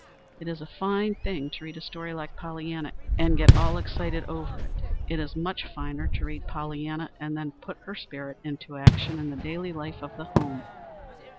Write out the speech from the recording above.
It is a fine thing to read a story like Pollyanna and get all excited over it. It is much finer to read Pollyanna and then put her spirit into action in the daily life of the home.